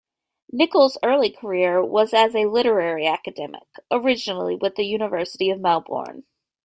Nicholls' early career was as a literary academic, originally with The University of Melbourne.